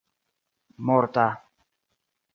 morta